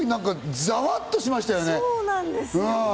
ザワッとしましたよね。